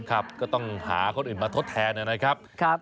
ก็ต้องหาคนอื่นมาทดแทนนะครับ